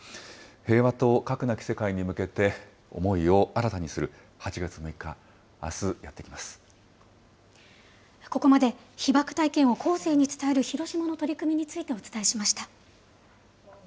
平和と核なき世界に向けて、思いを新たにする８月６日、あすやっここまで被爆体験を後世に伝える広島の取り組みについてお伝えしました。